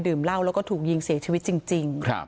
เหล้าแล้วก็ถูกยิงเสียชีวิตจริง